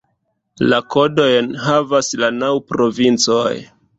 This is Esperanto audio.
La kodojn havas la naŭ provincoj.